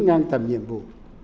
năng tầm nhiệm vụ